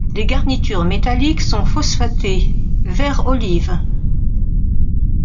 Les garnitures métalliques sont phosphatées, vert olive.